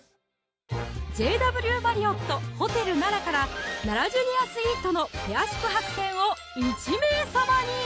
ＪＷマリオット・ホテル奈良から「ＮＡＲＡジュニアスイートのペア宿泊券」を１名様に！